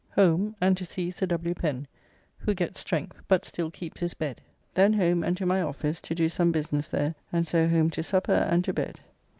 Home and to see Sir W. Pen, who gets strength, but still keeps his bed. Then home and to my office to do some business there, and so home to supper and to bed.